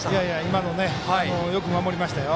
今のよく守りましたよ。